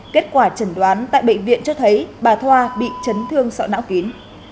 kết quả trần đoán tại bệnh viện cho thấy bà thoa bị chấn thương sọ não kín